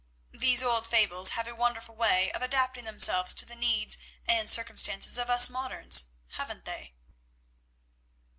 These old fables have a wonderful way of adapting themselves to the needs and circumstances of us moderns, haven't they?"